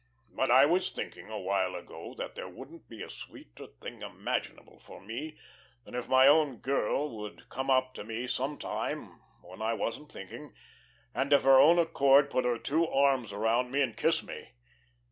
But I was thinking a while ago that there wouldn't be a sweeter thing imaginable for me than if my own girl would come up to me some time when I wasn't thinking and of her own accord put her two arms around me and kiss me.